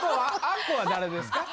あっこは誰ですか？